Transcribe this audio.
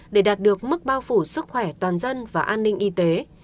để đạt được mức bao phủ sức khỏe toàn dân và an ninh y tế